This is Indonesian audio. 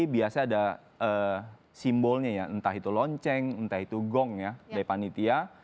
biasanya ada simbolnya ya entah itu lonceng entah itu gong ya dari panitia